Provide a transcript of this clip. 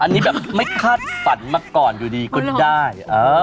อันนี้แบบไม่คาดฝันมาก่อนอยู่ดีก็ได้